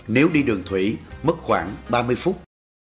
nếu đi đường thủy mất khoảng ba mươi phút